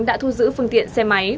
đã thu giữ phương tiện xe máy